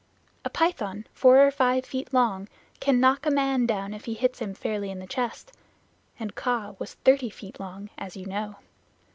A python four or five feet long can knock a man down if he hits him fairly in the chest, and Kaa was thirty feet long, as you know.